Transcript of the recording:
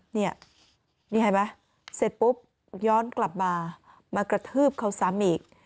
นี่นี่เห็นไหมเสร็จปุ๊บย้อนกลับมามากระทืบเขาซ้ำอีก